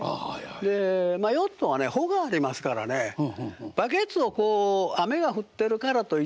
でヨットがね帆がありますからねバケツをこう雨が降ってるからといってね